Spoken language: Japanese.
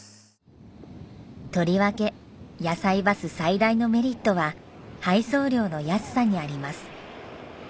とりわけやさいバス最大のメリットは配送料の安さにあります。